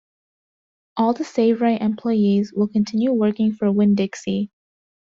All the SaveRite employees will continue working for Winn-Dixie.